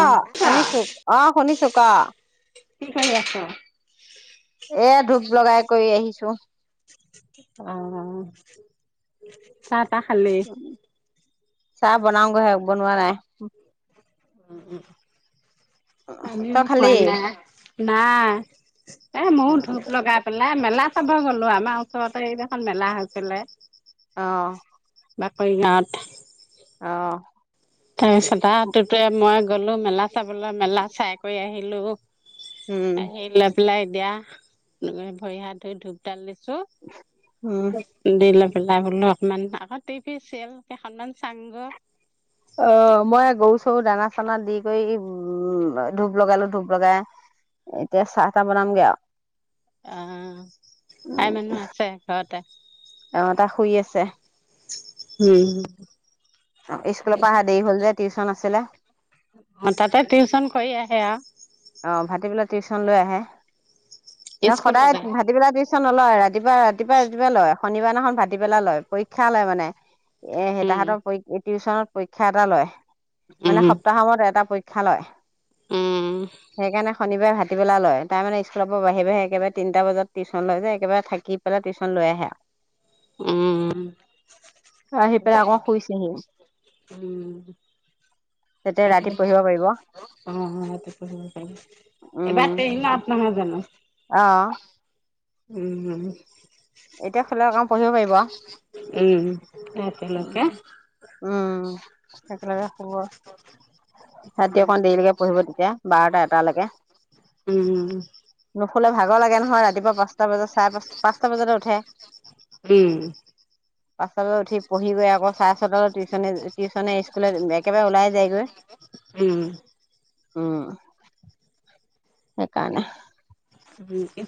অ শুনিছোঁ। অ শুনিছোঁ ক, কৰি আছ? এয়া ধূপ লগাই কৰি আহিছোঁ। চ [inaudible] [unintelligible] অ চাত চাহ বনাওগৈ হে বনোৱা নাই। উ। [inaudible] আমিও তই খোৱা খালি নাই। নাই এ ময়ো ধূপ লগাই পেলাই।। মেলা চাব গলো আমাৰ ওচৰতে ইয়াত এখন মেলা হৈছিলে। অহ। বাকৰি গাঁৱত।। অ। তাৰপিছত আৰু টুটুয়ে ময়ে।। গ'লো মেলা চাবলৈ মেলা চাই কৰি আহিলো।। উম আহি লয়পেলে দিয়া ভৰি হাত ধুই ধূপডাল দিছোঁ। উম হো দিলক উলাই গলো অকমান আকৌ টিভি চিৰিয়েল কেইখনমান চাওগৈ। অ মই গৰু চঊ দানা থানাত দি কৰি উম ধূপ লগালো ধূপ লগাই এতিয়া চাহ- তাহ বনামগে আৰু অ আইমানু আছে ঘৰতে? অ তাই শুই আছে। স্কুলৰ পৰা অহা দেৰি হ'ল যে টিউচন আছিলে হু তাতে টিউচন কৰি আহ আহেয়া টিউশন লৈ আহে অহ সদায় স্কুলতে ভাটিবেলা টিউচন নলয় ৰাতি ৰাতিপা ৰাতিপুৱা ৰাতিপুৱা লয়। শনিবাৰ দিনাখন ভাটিবেলা লয়। পৰীক্ষা লয় মানে। এ হ উম তাঁহাতৰ টিউচনত পৰীক্ষা এটা লয় মানে উম সপ্তাহৰ মোঅত এটা পৰীক্ষা খালৈ উম সেইকাৰণে শনিবাৰে ভাটিবেলা লয়। তাই মানে স্কুলৰপৰা বাহিৰে -বাহিৰে একেবাৰে তিনিটা বজাত টিউচন লৈ যে একবাৰে থাকি পেলাই টিউচন লৈ আহে। আৰু উম উম আহি অ পেলাই আকৌ শুইছেহি সেইটো কৰিব পাৰি। তেতিয়া ৰাতি অ' পঢ়িব পাৰিব অ'এইবাৰ টেইনত নহয় জানো? উম অহ্। উম -উম এতিয়া শুলে অকণ পঢ়িব পাৰিব আউ। উম ৰাতিলৈকে উ উম একেলগে শুব। ৰাতি উম অকণ দেৰিলৈকে পঢ়িব তেতিয়া বাৰটা এটালৈকে। উম নুশুলে ভাগৰ লাগে নহয় ৰাতিপুৱা পাঁচটা বজাত, চাৰে পাঁচ- পাঁচটা বজাতে উঠে। উম উম পাছলৈ উঠি পঢ়ি গৈ আকৌ চাৰে ছটালৈ টিউচনে- টিউচনে স্কুলে একেবাৰে ওলাই যায়গৈ। উম উম। সেইকাৰণে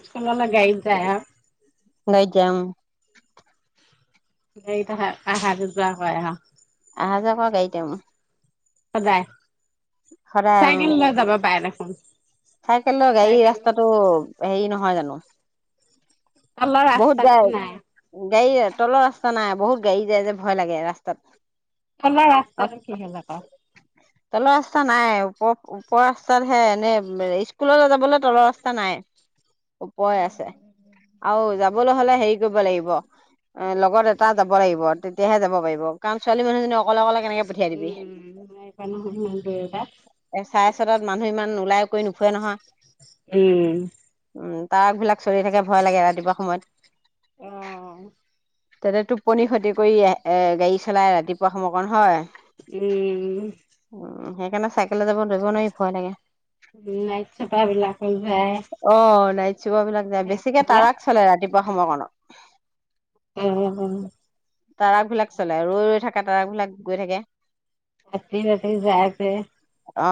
স্কুললৈ গাড়ীত যায় আৰু। গাড়ীত যাম। গ'তে কেইটা আহা- যোৱা কৰে আউ। আহা যোৱা কৰা গাড়ীতে মই সদায়। চাইকেল লৈ যাব পাৰে দেখোন। অ। চাইকেললৈ, গাড়ী ৰাস্তাটো হেৰি নহয় জানো। তলৰ বহুত ৰাস্তাটো নাই গা-গাড়ী তলৰ ৰাস্তা নাই। বহুত গাড়ী যায় যে। ভয় লাগে ৰাস্তাত তলৰ ৰাস্তটো কিহল আকৌ। তল‌ ৰাস্তা নাই ওপ ওপ-ওপৰৰ ৰাস্তাত হে এনে মানে স্কুললে যাবলে তলৰ ৰাস্তা নাই। ওপৰৰে আছে আৰু যাব যাবলৈ হলে হেৰি কৰিব লাগিব। এ লগত এটা যাব লাগিব। তেতিয়াহে যাব পাৰিব। কাৰণ ছোৱালী মানুহজনী অকলে-অকলে কেনেকে পঠিয়াই দিবি। উম নাই পোৱা নহয় ইমান দূৰ এটা এ চাৰে ছয়তাত মানুহ ইমান নোলায়। একোৱেই নুখোৱাই নহয়। উম উম, তাৰ ট্ৰাকবিলাক চলি থাকে। ভয় লাগে ৰাতিপুৱা সময়ত অ তাতে টোপনি ক্ষতি কৰি। এ-এ গাড়ী চলাই ৰাতিপুৱা সময়কণ হয়। উমম। উম সেইকাৰণে চাইকেলে যাব দিব নোৱাৰি ভয় লাগে। নাইট ছুপাৰবিলাকো যায়। ছুপাৰবিলাক যায়। বেছিকে সেইফালে। ট্ৰক চলে ৰাতিপ কিবা সময়ত কাৰণত উম, ট্ৰাকবিলাক চলে ৰৈ-ৰৈ থাকে। ট্ৰাকবিলাক গৈ থাকে। ৰাতি-ৰাতি যায় যে। অ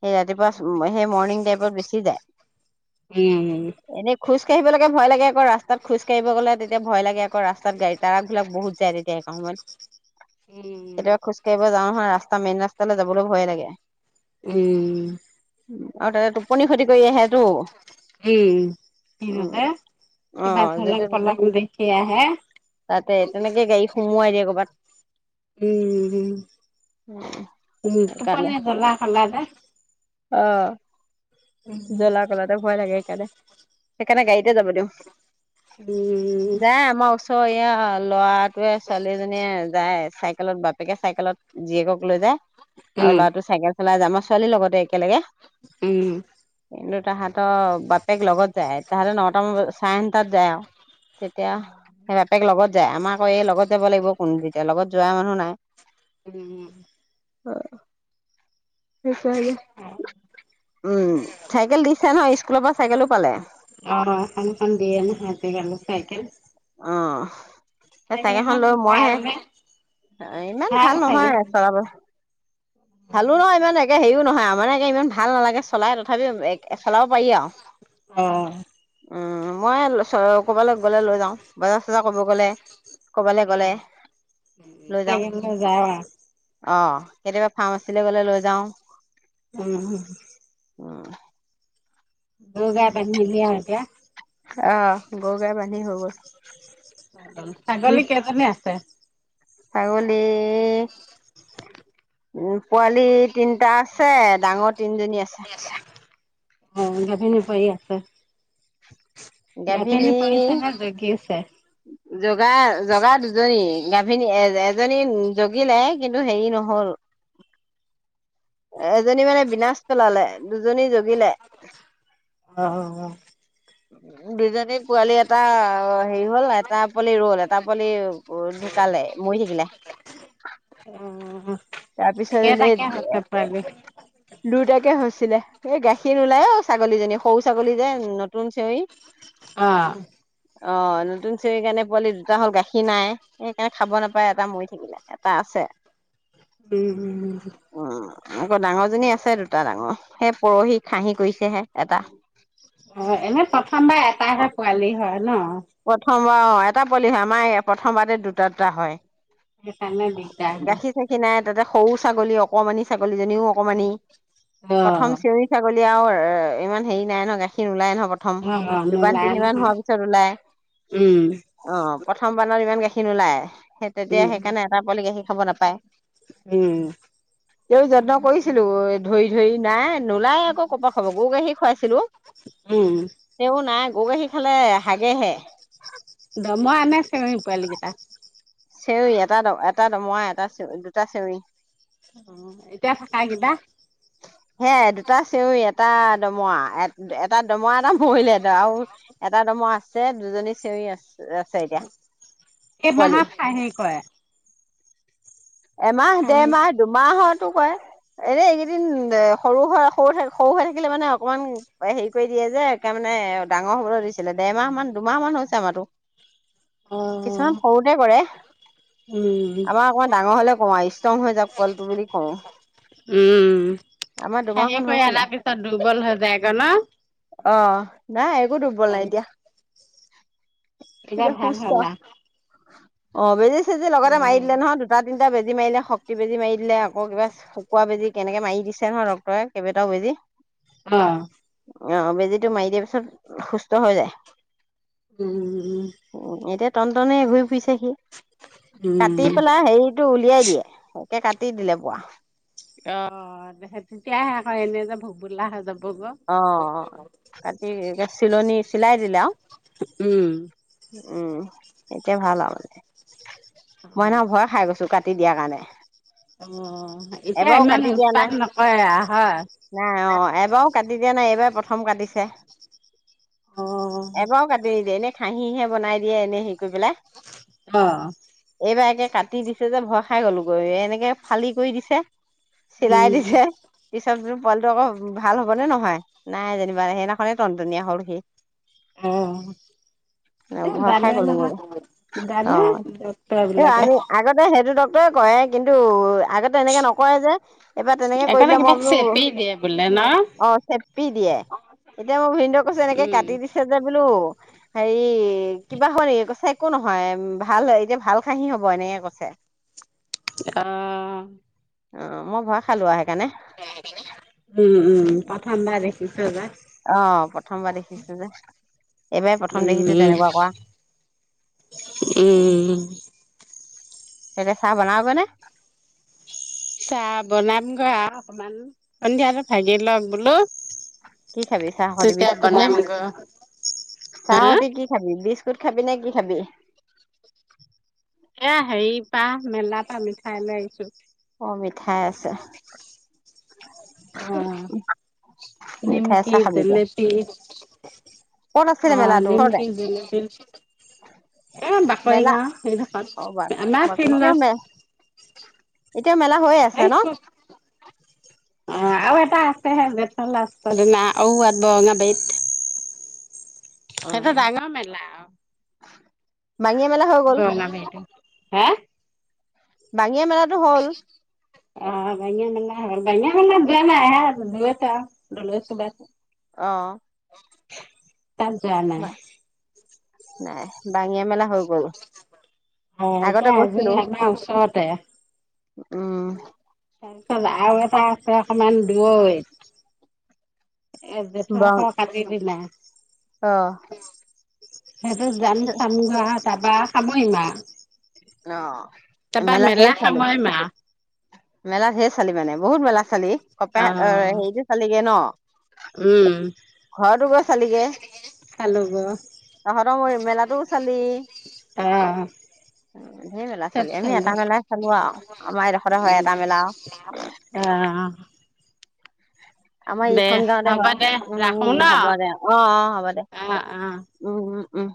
সেই ৰাতিপ উম, সেই মৰনিং টাইমত বেছি উম। যায়। এনে খোঁজ কাঢ়িবলৈ ভয় লাগে আকৌ ৰাস্তাত খোঁজ কাঢ়িব গ'লে তেতিয়া আকৌ ৰাস্তাত গাড়ী-ট্ৰাকবিলাক বহুত যায়। তেতিয়া সেইটা সময়ত উম। ৰাস্তা-মেইন ৰাস্তালৈ যাবলৈ ভয়ে লাগে। উম। উ, আৰু তাতে টোপনি ক্ষতি কৰি আহেটো। উম, সিহঁতে অ কিবা য'তে ত'তে ধলং-পলং দেখি আহে। তাতে তেনেকে গাড়ী সোমোৱাই দিয়ে ক'ৰবাত উম, উম, উম, সেইকাৰণে তুপনি ঘোলা-ঘোলা যে। অ। উম, জ্বলা কলাতে ভয় লাগে াল [unintelligible] সেইকাৰণে গাড়ীতে যাব দিওঁ যাই আমাৰ ওচৰে এই এইয়া ল'ৰাত তে ছোৱালী এজনীয়ে যায় চাইকেলত বাপেকে চাইকেলত জীয়েকক লৈ যায় অ উম, ল'ৰাটো চাইকেল চলাই যাম অ ছোৱালীৰ লগতে একেলগে উম কিন্তু তাহাঁতৰ বাপেক লগত যায় তাহাঁতে নটামান বজা চাৰেনটাত যায় আৰু তেতিয়া বাপেক লগত যাই আমাৰ আকৌ এই লগত যাব লাগিব কোন যেতিয়া লগত যোৱা মানুহ নাই উম উম হয় উম ে অ', উম [unintelligible] চাইকেল দিছে নহ স্কুলৰ পৰা চাইকেলো পালে অ আৰু এখনখন দিয়ে নহতে গো চাইকেল [unintelligible] অ চাইকেলখন লৈ ভাল মইহে নে? ইমান ভাল নহয় চলাব ভালো নহয় ইমান একে হেৰিও নহয় আমাৰ একে ইমান ভাল নালাগে চলাই তথাপিও খেলাব পাৰি আৰু অ উম মই ক'বালে গলে লৈ যাওঁ বজাৰ চজাৰ কৰিব গ'লে কবালৈ গলে লৈ যাও চাইকেল যাওঁ আৰু অ কেতিয়াবা খ মাছলে গলে লৈ যাওঁ উম। অঁ দগা পানি‌ দিলে আৰু এতিয়া গৰু গাই বানী হব ছাগলী কেইজনী আছে আগলি উম পোৱালি তিনটা আছে ডাঙৰ তিনিজনী আছে অ গাবিনো উপায় আছে গাভিনী পাইছা নে জগি আছে জগা জগা দুজনী গাভিনী এ এজনী জগিলে কিন্তু হেৰি নহল এজনী মানে বিনাশ পেলালে দুজনী জগিলে অ অ অ উম দুজনী পোৱালি এটা হেৰি হ'ল এটা পোৱালি ৰল এটা পোৱালি ঢুকালে মৰি থাকিলে অ তাৰপিছত এনে কেইটাকে হৈছে পোৱালি? লুট হৈছিলে এই গাখীৰ নোলাই অঁ ছাগলীজনী সৰু ছাগলী যে নতুন চেঞৰি অঁ অঁ নতুন চিৰি কাৰণে পোৱালি দুটা হ'ল গাখীৰ নাই সেইকাৰণে খাব নাপায় এটা মৰি থাকিলে এটা আছে উম উম উম উম আকৌ ডাঙৰজনী আছে দুটা ডাঙৰ সেই পৰহি খাহি কৰিছেহে এটা অঁ এনে প্ৰথমবাৰ এটাহে পোৱালি হয় ন প্ৰথম বাৰ দুটা পৱালিহে আমাৰ প্ৰথমবাৰ দুটা দুটা হয় সেই কাৰণে দিকদাৰ গাখীৰ চাখীৰ নাই তাতে সৰু ছাগলী অকনমানি ছাগলীজনীও অকনমানি অ প্ৰথম চেঞৰি ছাগলী এতিয়াও ইমান হেৰি নাই ন গাখীৰ ওলাই নহয় প্ৰথম অ অ দুব নোলাই তিনিবান নহয় হোৱাৰ পিছত ওলাই উম অঁ প্ৰথম বানত ইমান গাখীৰ খিন ওলাই সেই উম তেতিয়াে বলগীয়া সি খাব নাপায় উম এই যত্ন কৰিছিলো ধৰি ধৰি নাই নোলাই আকৌ গৰু গাখিৰ খুৱাইছিলো উম এ নাই গৰু গাখী খালে হাগেহে দমই আনে চীয়ৈ পোৱালি কেইটা চেউৰৰি এটা এটা দমৰা এটা চেউ দুটা চেউৰৰি অঁ এতিয়া থাক কিবা হে দুটা চেৰি এটা দমৰা এটা দমৰা এটা মৰিলেহঁ আৰু এটা দমৰা আঁ যে দুজনী চেঞৰি আছে আছে এতিয়া এই পোৱালি মাহত খাহি কৰে এমাহ খাহী দেৰমাহ দুমাহত টো কয় এনে এইকেইদিন সৰু হৈ সৰু থ সৰু হৈ থাকিলে মানে অকণমান হেৰি কৰি দিয়ে যে একে মানে ডাঙৰ হবলৈ দিছিলে দেেৰমাহ মান দুমাহ মান হৈছে আমাৰো অ কিছুমান সৰুতে কৰে উম আমাৰ অকণমান ডাঙৰ হলে কওঁ আৰু ষ্ট্ৰং হৈ যাকওঁক কলটো বুলি কওঁ উম আমাৰ খাহে দুমাহমান কৰি হৈছিলে অনাৰ পিছত দুৰ্বল হৈ যায় গ ন আহ নাই একো দুৰ্বল নাই এতিয়া এ ভাল হল অঁ বেজ যে লগতে মাৰি দিলে নহয় ক বে দি ম এনে শক্তি বেজী মাৰি দে আকৌ কিবা শুকুৱোৱা বেজি কেনেকে মাৰি দিছে নহয় ডক্তৰে কেইটাও বেজি অ অ বেজিটো মাৰি দিয়া পিছত সুস্থ হৈ যায় উম উ উম টনটনে হৈৰি ফুছে কাটি উম পেলাই হেৰি উলিয়াই দিয়ে তকে কাটি দিলে বোৱা অ দে তেতিয়ে আকৌ এনে যে ভগবোললা হৈ যাব গ অ অ কাটি চিলনী চিলাইৰিল উম উম এতিয়া ভাল মে মই নহ ভয়ে খাই গৈছো কাটি দিয়া কাৰণে অ এতিয়া এবাৰো ইমান কাটি দিয়া উৎপাদ নাই নকৰে হয় তেতিয়া নাই এইবাৰ প্ৰথম কাটিছে অ এবাও কাতি নিদিয়ে এনেই খাহিহে বনাই দিয়ে এনে হেৰি কৰি পেলাই অ এইবাৰ একে কাটি দিছে যে ভৰ খাই গলো গৈ এনেকে ফালি কৰি দিছে চিলাই উম দিলছে চব পোৱালিটো আকৌ ভাল হয়নে নহয় নাই যেনিবা সেইদিনাখনে টনটনীয়া হ'ল সি অ ভয় খাই ডালে গ'লো নহয় গৈ অ ডালে ডৰ এই বিলাকে আমি আগতে সেইটো কৰে কিন্তু আগতে এনেকে নকৰে যে এইবাৰ তেনেকে কৰি এইকাৰণে দিলে মই কিবা বোলো চেপি দিয়ে বোলে না অ চেপি দিয়ে এতিয়া মই ভদ কৈছে এনেকে উম কাটি দিছে যে বোলো হেৰি কিবা হয় নেকি চাই একো নহয় ভাল এতিয়া ভাল খাহি হব এনেকে কৈছে আহ অ', মই ভয় খালো আই উম উম, প্ৰথম বাৰে ই [unintelligible] অ', প্ৰথমবাৰ দেখিছোঁ যে। এইবাৰে প্ৰথম দেখিছোঁ উম তেনেকুৱা কৰা উম এনে চাহ বনাব নে? চাহ বনামগৈ আৰু অকণমান সন্ধিয়াটো ভাগি লওক বোলো কি খাবি চাহ সৈতি? তেতিয়া বিস্কুট নে? বনামগৈ চাহ হা সৈতি কি খাবি? বিস্ক স্কুট খাবি নে? কি খাবি? এ, হেৰি, পাহ মেলা পা মিঠাই লৈ আহিছোঁ। অ', মিঠাই আছে অ', মিঠাই নিমকি, চাহ খাবি এতিয়া জেলেপি ক'ত আছিলে অ', মেলাটো ওচৰতে নিমকি, জেলেপি এ, বাকৰি মেলা গাঁও। সেইডখত অ বা আমাৰ ফিল্ডত এতিয়া মেলা হৈয়েই আছে এই ন? অ টা আছেহে [unintelligible] ঔৱাত বৰঙা বেইত। অ সেইটা ডাঙৰ মেলা, অহ, বাঙিয়া মেলা হৈ গ'ল বৰঙা বাৰীতে। হে? বাাঙিয়া মেলাটো হ'ল? অ বাই মান বাহ মান য নাইব অহ। তাত যোৱা নাই। নাই, বাঙিয়া মেলা হৈ গ'ল। আহ, এতিয়া আগতে আজি গৈছিলো আমাৰ ওচৰতে উম [unintelligible] আৰু এটা আছে অকমান দূৰৈত। এব জেঠৰ স কাতি দিনা অহ। সেইটো যাম চাম গাহাট তাৰপা সামৰিম আৰু। অহ। তাৰপা মেলা সামৰিম আৰু। মেলাত ধেৰ চালি মানে, বহুত মেলা চালি? কপে অ', হেৰিটো চালিগে ন উম, ঘৰতো গৈ চালিগে চালো গৈ। তহঁতৰ মোৰ ইমেলাটোও চালি অঁ ধেৰ মেলা চলি আমি এটা মেলাই চলো আৰু আমাৰ এডোখৰতে হয় এটা মেলা অ', আমাৰ দে ইখন গাৱতে হ'ব হয় দে উম ৰাখো উম ন? হ'ব দে অঁ অঁ হ'ব দে অ', অ'। উম উম উম